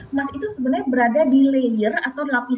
emas itu sebenarnya berada di layer atau lapisan